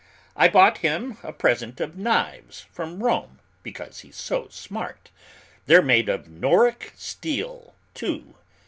I brought him a present of knives, from Rome, because he's so smart; they're made of Noric steel, too."